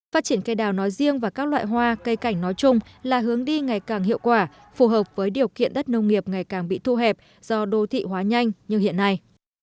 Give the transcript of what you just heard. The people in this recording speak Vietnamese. phát triển cây đào nói riêng và các loại hoa cây cảnh nói chung là hướng đi ngày càng hiệu quả phù hợp với điều kiện đất nông nghiệp ngày càng bị thu hẹp do đô thị hóa nhanh như hiện nay